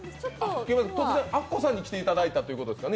アッコさんに来ていただいたということですよね？